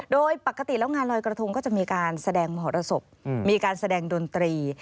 โดยปกติแล้วงานลอยกระทงก็จะมีการแสดงมหรสบมีการแสดงดนตรี